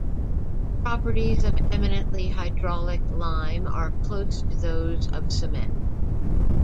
Properties of eminently hydraulic lime are close to those of cement.